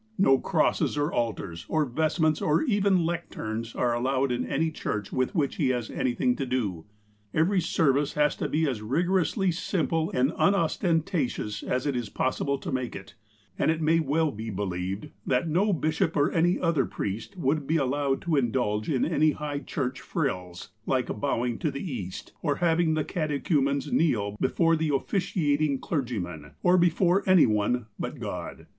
No crosses or altars, or vest ments, or even lecterns, are allowed in any church with which he has anything to do. Every service has to be as rigorously simple and unostentatious as it is possible to make it, and it may well be believed that no bishop or any other priest would be allowed to indulge in any high church frills, like bowing to the East, or having the catechumens kneel before the officiating clergyman, or before any one but God.